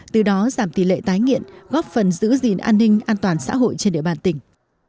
từ đó giảm tỷ lệ tái nghiện góp phần giữ gìn an ninh an toàn xã hội trên địa bàn tỉnh